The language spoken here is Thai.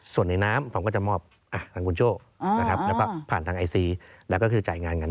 ส่วนในน้ำผมก็จะมอบทางคุณโจ้นะครับแล้วก็ผ่านทางไอซีแล้วก็คือจ่ายงานกัน